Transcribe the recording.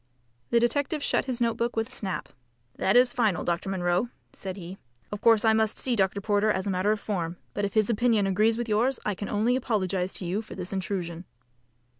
The detective shut his note book with a snap. "That is final, Dr. Munro," said he. "Of course I must see Dr. Porter as a matter of form, but if his opinion agrees with yours I can only apologise to you for this intrusion."